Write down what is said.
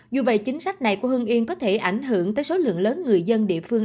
dù vậy chính sách này của hương yên có thể ảnh hưởng tới số lượng lớn người dân địa phương